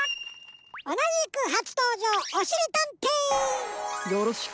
おなじくはつとうじょうおしりたんてい！